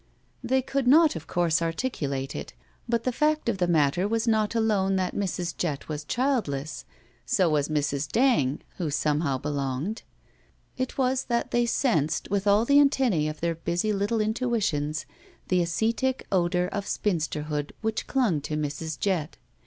They could not, of course, articulate it, but the fact of the matter was not alone that Mrs. Jett was i86 GUILTY diildless (so was Mrs. Dang, who somehow belonged), it was that they sensed, with all the antennae of their busy little intuitions, the ascetic odor of spinster hood which clung to Mrs. Jett.